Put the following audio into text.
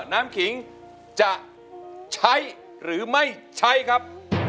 น้ำขิงจะใช้หรือไม่ใช้ครับ